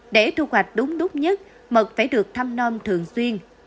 để thu hoạch đúng đúc nhất mật phải được thăm non thường xuyên